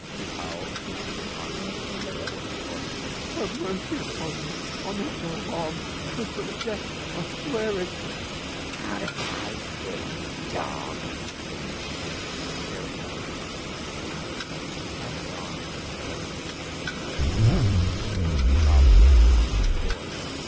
he howled, sinking upon his knees before his tormentor, " have mercy upon me, I meant no harm ; 'twas but a jest — I swear it !" "Out of my way, dog!" said the Jew with a terri ble imprecation, and he passed on into the presence of his patron, leaving the slave groveling upon the floor.